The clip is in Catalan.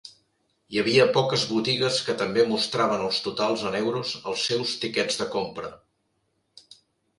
Hi havia poques botigues que també mostraven els totals en euros als seus tiquets de compra.